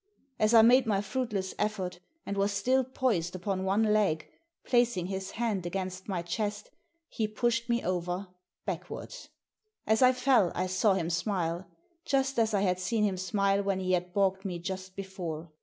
As I made my fruitless effort, and was still poised upon one 1^, placing his hand against my chest, he pushed me over backwards. As I fell I saw him smile — just as I had seen him smile when he had baulked me just before.